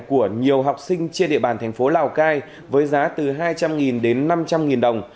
của nhiều học sinh trên địa bàn thành phố lào cai với giá từ hai trăm linh đến năm trăm linh đồng